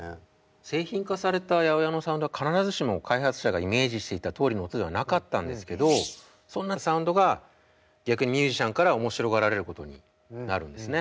製品化された８０８のサウンドは必ずしも開発者がイメージしていたとおりの音ではなかったんですけどそんなサウンドが逆にミュージシャンから面白がられることになるんですね。